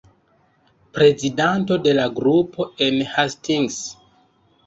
Prezidanto de la grupo en Hastings.